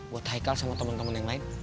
buat haikal sama temen temen yang lain